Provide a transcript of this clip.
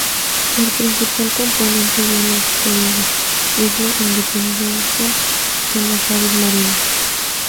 El principal componente biológico de la isla Independencia son las aves marinas.